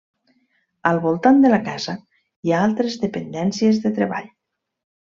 Al voltant de la casa hi ha altres dependències de treball.